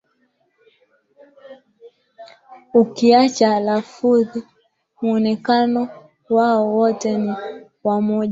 Ukiacha lafudhi muonekano wao wote ni wamoja